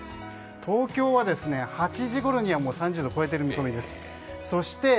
東京は８時ごろには３０度を超えている見込みです。